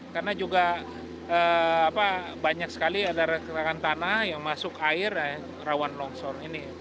karena juga banyak sekali ada retakan tanah yang masuk air rawan longsor